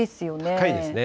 高いですね。